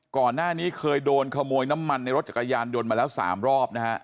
ก่อนหน้านี้เคยโดนขโมยน้ำมันในรถจักรยานยนต์มาแล้ว๓รอบนะฮะ